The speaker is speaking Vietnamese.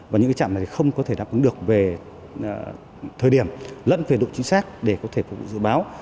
và những trạm này không có thể đáp ứng được về thời điểm lẫn về độ chính xác để có thể phục vụ dự báo